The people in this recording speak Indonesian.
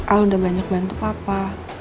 ah udah banyak bantu papa